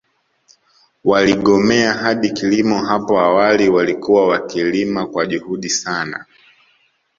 Waligomea hadi kilimo hapo awali walikuwa wakilima kwa juhudi sana